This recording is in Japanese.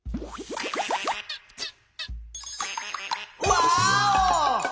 ワーオ！